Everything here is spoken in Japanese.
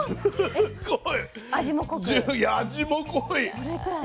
すごい！